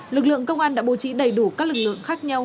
lực lượng công an đã bố trí đầy đủ các lực lượng khác nhau